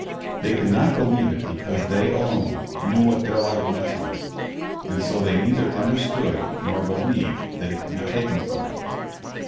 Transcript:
They could not believe it because they alone knew what their life meant to them, and so they neither understood nor believed that it could be taken from them.